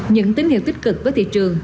những tín hiệu tích cực với thị trường